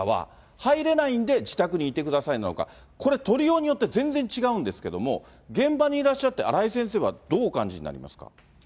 入れないんで、自宅にいてくださいなのか、これ、取りようによって全然違うんですけども、現場にいらっしゃって、荒井先生はどうお感じになりますか。